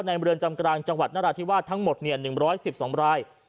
ในบริเวณจำกลางจังหวัดนราธิวาสทั้งหมดเนี่ยหนึ่งร้อยสิบสองราย